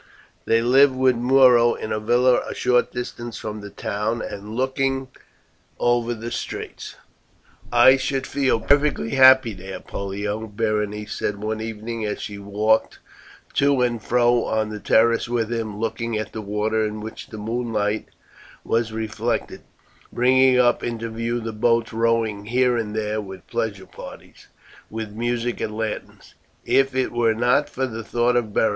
They lived with Muro in a villa a short distance from the town, and looking over the straits. "I should feel perfectly happy here, Pollio," Berenice said one evening as she walked to and fro on the terrace with him, looking at the water in which the moonlight was reflected, bringing up into view the boats rowing here and there with pleasure parties with music and lanterns, "if it were not for the thought of Beric.